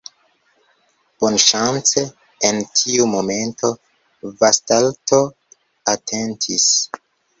Bonŝance, en tiu momento Vastalto atentis.